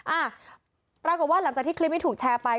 อ่าปรากฏว่าหลังจากที่คลิปนี้ถูกแชร์ไป